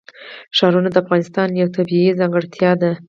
ښارونه د افغانستان یوه طبیعي ځانګړتیا ده.